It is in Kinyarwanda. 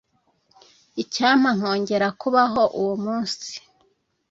icyampa nkongera kubaho uwo munsi.